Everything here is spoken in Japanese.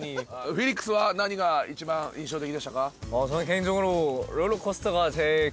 フィリックスは何が一番印象的でしたか？